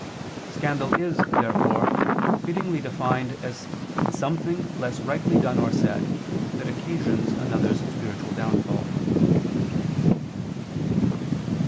Scandal is, therefore, fittingly defined as "something less rightly done or said, that occasions another's spiritual downfall."